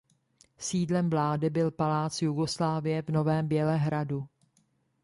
Sídlem vlády byl palác Jugoslávie v Novém Bělehradu.